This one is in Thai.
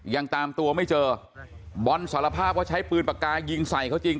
ยังตามตัวไม่เจอบอลสารภาพว่าใช้ปืนปากกายิงใส่เขาจริง